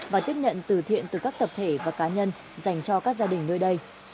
và tiếp nhận từ thiện từ các tập thể và cá nhân dành cho các gia đình nơi đây